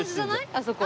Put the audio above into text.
あそこ。